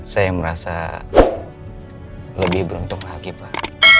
saya merasa lebih beruntung lagi pak